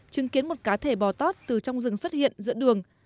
chứng kiến một cá thể bò tót từ trong rừng xuất hiện giữa đường